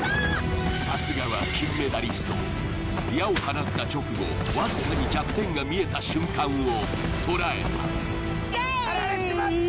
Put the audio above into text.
さすがは金メダリスト矢を放った直後わずかに弱点が見えた瞬間を捉えたイエーイ！